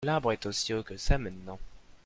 L'arbre est aussi haut que ça maintenant.